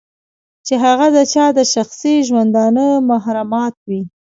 چې هغه د چا د شخصي ژوندانه محرمات وي.